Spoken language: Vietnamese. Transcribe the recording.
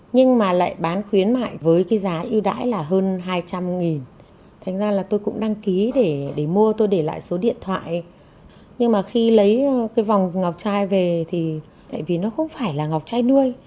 nhưng mà khi lấy cái vòng ngọc chay về thì tại vì nó không phải là ngọc chay nuôi